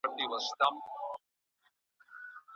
لنډمهاله حافظه معلومات د لږ وخت لپاره ساتي.